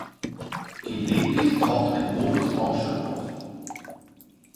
Gelegentlich taucht ein Bonus-Raumschiff auf.